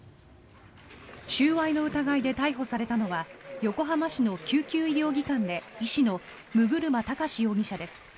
収賄の疑いで逮捕されたのは横浜市の救急医療技官で医師の六車崇容疑者です。